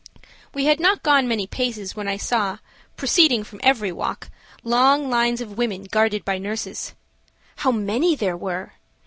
We had not gone many paces when I saw, proceeding from every walk, long lines of women guarded by nurses. How many there were!